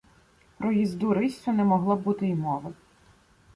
Про їзду риссю не могло бути й мови.